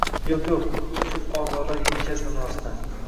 Yo‘q-yo‘q, ko‘p ozorlar yetkazdim rostdan.